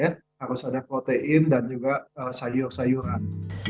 harus ada protein dan juga sayur sayuran